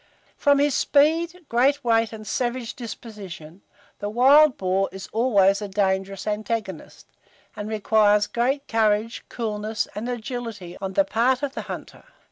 From his speed, great weight, and savage disposition, the wild boar is always a dangerous antagonist, and requires great courage, coolness, and agility on the part of the hunter.